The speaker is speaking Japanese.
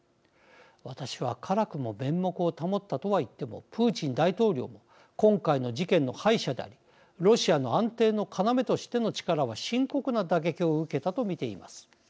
私は辛くも面目を保ったとは言ってもプーチン大統領も今回の事件の敗者でありロシアの安定の要としての力は深刻な打撃を受けたと見ています。